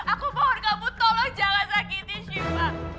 aku mohon kamu tolong jangan sakiti syifa